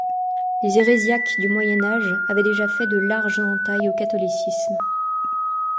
Les hérésiarques du moyen-âge avaient déjà fait de larges entailles au catholicisme.